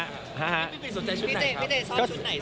พี่เจ๊ชอบชุดไหน